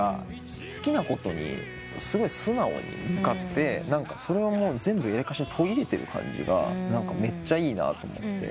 好きなことにすごい素直に向かってそれを全部エレカシに取り入れてる感じがめっちゃいいなと思って。